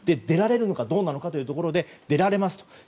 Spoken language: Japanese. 出られるのかどうなのかということで出られますと。